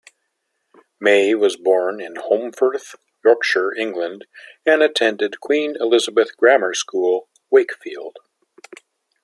May was born in Holmfirth, Yorkshire, England and attended Queen Elizabeth Grammar School, Wakefield.